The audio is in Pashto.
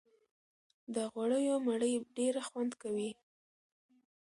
د غوړيو مړۍ ډېره خوند کوي